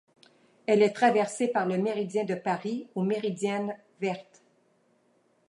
Elle est traversée par le méridien de Paris ou Méridienne verte.